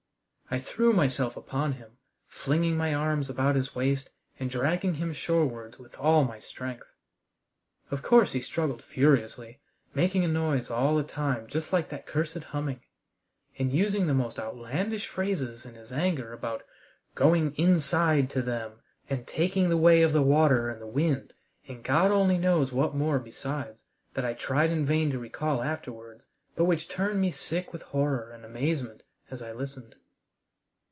I threw myself upon him, flinging my arms about his waist and dragging him shorewards with all my strength. Of course he struggled furiously, making a noise all the time just like that cursed humming, and using the most outlandish phrases in his anger about "going inside to Them," and "taking the way of the water and the wind," and God only knows what more besides, that I tried in vain to recall afterwards, but which turned me sick with horror and amazement as I listened.